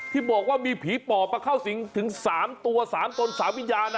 ที่บอกว่ามีผีปอบมาเข้าสิงถึง๓ตัว๓ตน๓วิญญาณนะ